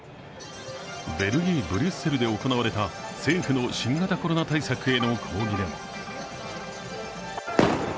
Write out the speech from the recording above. ベルギー・ブリュッセルで行われた政府の新型コロナ対策への抗議デモ。